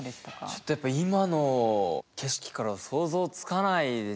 ちょっとやっぱ今の景色からは想像つかないですよね。